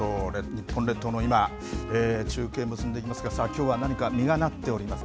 日本列島の今、中継結んでいきますけど、さあ、きょうは何か、実がなっております。